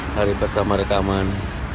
hari pertama rekaman